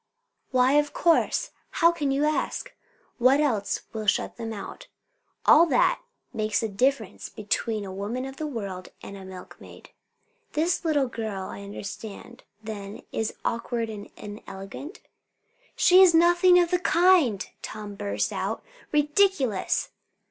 "Why, of course! How can you ask? What else will shut them out? All that makes the difference between a woman of the world and a milkmaid." "This little girl, I understand, then, is awkward and inelegant?" "She is nothing of the kind!" Tom burst out. "Ridiculous!"